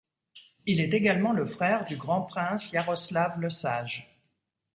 Il est également le frère du Grand-prince Iaroslav le Sage.